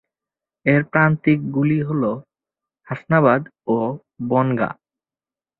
এর প্রান্তিক গুলি হল হাসনাবাদ ও বনগাঁ।